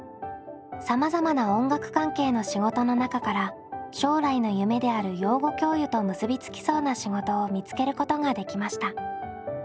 さまざまな音楽関係の仕事の中から将来の夢である養護教諭と結びつきそうな仕事を見つけることができました。